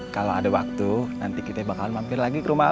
kalau ada waktu nanti kita bakal mampir lagi ke rumah